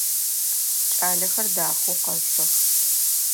Кӏалэхэр дахэу къэшъох.